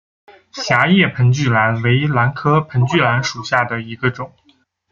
狭叶盆距兰为兰科盆距兰属下的一个种。